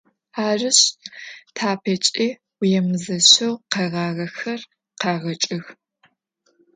Арышъ, тапэкӏи уемызэщэу къэгъагъэхэр къэгъэкӏых.